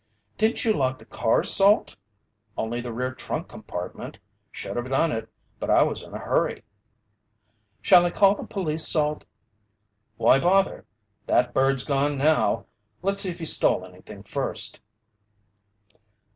"Didn't you lock the car, Salt?" "Only the rear trunk compartment. Should have done it but I was in a hurry." "Shall I call the police, Salt?" "Why bother? That bird's gone now. Let's see if he stole anything first."